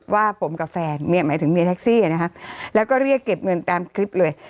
ว่าผมกับแฟนเมียหมายถึงเมียแท็กซี่นะคะแล้วก็เรียกเก็บเงินตามคลิปเลย